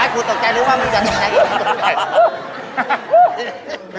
ถูกตกใจว่าไม่ได้